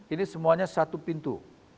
ini semuanya satu pintu